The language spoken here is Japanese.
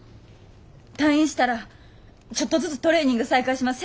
退院したらちょっとずつトレーニング再開します。